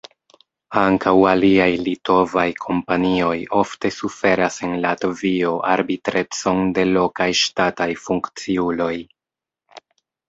Ankaŭ aliaj litovaj kompanioj ofte suferas en Latvio arbitrecon de lokaj ŝtataj funkciuloj.